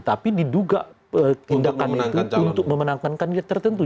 tapi diduga tindakan itu untuk memenangkankan tertentu